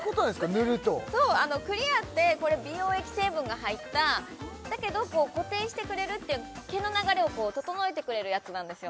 塗るとクリアってこれ美容液成分が入っただけど固定してくれるっていう毛の流れをこう整えてくれるやつなんですよ